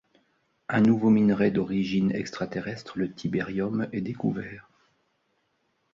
Un nouveau minerai d'origine extraterrestre, le Tibérium, est découvert.